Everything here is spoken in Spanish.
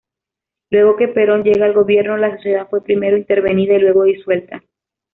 Luego que Perón llega al gobierno la Sociedad fue primero intervenida y luego disuelta.